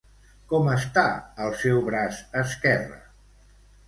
Com està el seu braç esquerre?